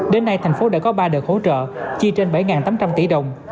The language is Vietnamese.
đến nay thành phố đã có ba đợt hỗ trợ chi trên bảy tám trăm linh tỷ đồng